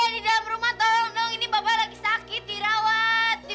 di dalam rumah tolong dong ini bapak lagi sakit dirawat